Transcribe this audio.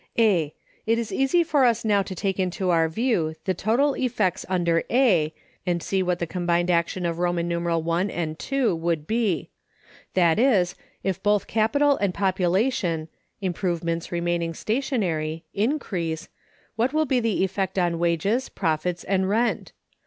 A. It is easy for us now to take into our view the total effects under A, and see what the combined action of I and II would be. That is, if both Capital and Population (improvements remaining stationary) increase, what will be the effect on Wages, Profits, and Rent?